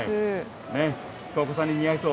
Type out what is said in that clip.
桑子さんに似合いそう。